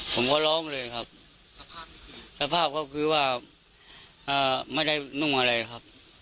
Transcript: ผมก็ร้องเลยครับสภาพก็คือว่าไม่ได้นุ่งอะไรครับ